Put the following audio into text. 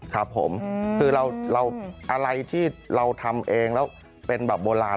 คืออะไรที่เราทำเองแล้วเป็นแบบโบราณ